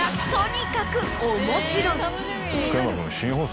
「福山君」。